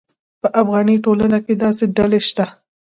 په افغاني ټولنه کې داسې ډلې شته.